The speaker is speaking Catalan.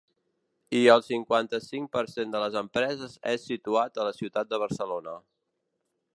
I el cinquanta-cinc per cent de les empreses és situat a la ciutat de Barcelona.